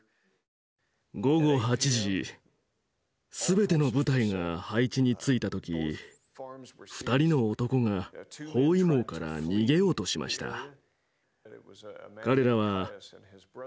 午後８時全ての部隊が配置に就いた時２人の男が包囲網から逃げようとしました。